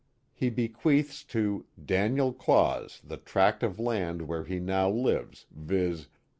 He bequeaths to '* Daniel Claus the tract of land where he now lives, viz.